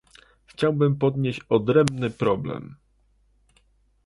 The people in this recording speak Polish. Chciałbym podnieść odrębny problem